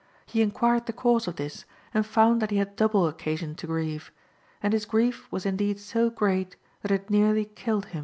He inquired the cause of this, and found that he had double occasion to grieve; and his grief was indeed so great that it nearly killed him.